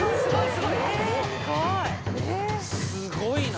すごいな！